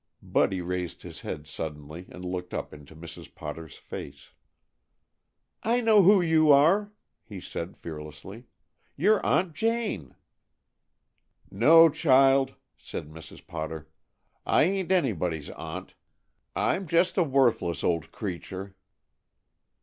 Buddy raised his head suddenly and looked up into Mrs. Potter's face. "I know who you are," he said fearlessly. "You 're Aunt Jane." "No, child," said Mrs. Potter, "I ain't anybody's aunt. I'm just a worthless old creature."